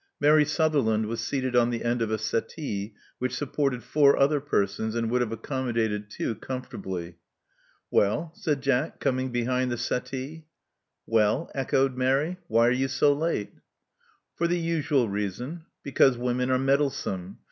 Mary Sutherland was seated on the end of a settee which supported foiu: other persons, and would have accommodated two comfortably. Well? said Jack, coming behind the settee. Well," echoed Mary. Why are you so late?" For the usual reason — because women are meddle some.